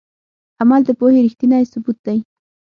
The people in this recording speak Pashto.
عمل د پوهې ریښتینی ثبوت دی.